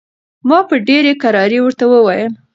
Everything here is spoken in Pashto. ما په ډېرې کرارۍ ورته وویل.